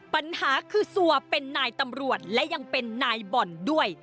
ปัญหาคือซัวเป็นนายตำรวจและยังเป็นนายบ่อนด้วย